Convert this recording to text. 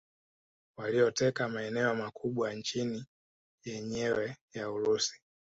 Walioteka maeneo makubwa ya nchi yenyewe ya Urusi